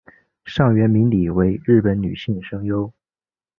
上原明里为日本女性声优。